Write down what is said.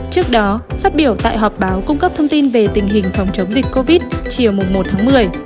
trước đó phát biểu tại họp báo cung cấp thông tin về tình hình phòng chống dịch covid một mươi chín chiều một một một mươi